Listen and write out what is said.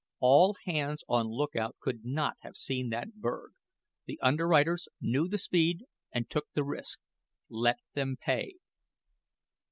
All hands on lookout could not have seen that berg. The underwriters knew the speed and took the risk. Let them pay."